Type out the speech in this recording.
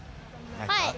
はい。